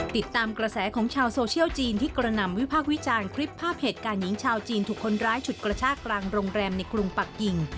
ติดตามกระแสของชาวโซเชียลจีนที่กระนำวิพากษ์วิจารณ์คลิปภาพเหตุการณ์หญิงชาวจีนถูกคนร้ายฉุดกระชากกลางโรงแรมในกรุงปักกิ่ง